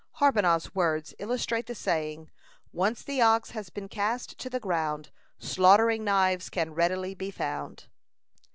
Harbonah's words illustrate the saying: "Once the ox has been cast to the ground, slaughtering knives can readily be found."